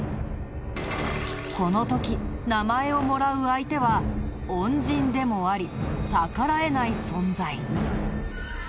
この時名前をもらう相手は恩人でもあり逆らえない存在。